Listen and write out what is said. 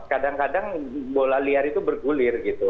kadang kadang bola liar itu bergulir gitu